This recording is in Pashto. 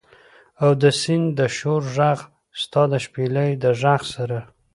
او د سیند د شور ږغ، ستا د شپیلۍ د ږغ سره